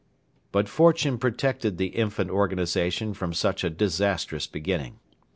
But fortune protected the infant organisation from such a disastrous beginning.